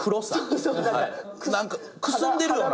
何かくすんでるよな。